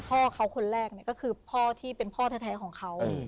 พ่อเขาคนแรกก็คือพ่อที่เป็นพ่อแท้ของเขา